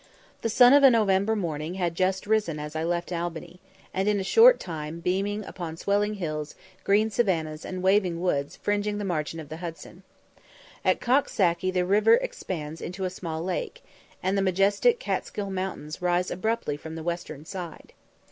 The sun of a November morning had just risen as I left Albany, and in a short time beamed upon swelling hills, green savannahs, and waving woods fringing the margin of the Hudson. At Coxsackie the river expands into a small lake, and the majestic Catsgill Mountains rise abruptly from the western side.